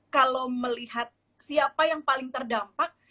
kalau melihat siapa yang paling terdampak